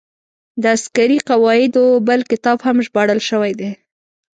د عسکري قواعدو بل کتاب هم ژباړل شوی دی.